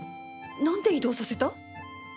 何で移動させた？